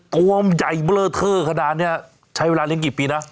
วมใหญ่เบลอเทอร์ขนาดนี้ใช้เวลาเลี้ยงกี่ปีนะ